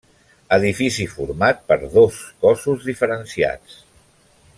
Edifici format per dos cossos diferenciats.